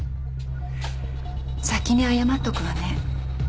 先に謝っとくわね。